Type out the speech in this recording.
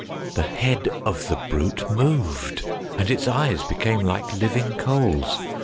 The head of the brute moved, and its eyes became like living coals.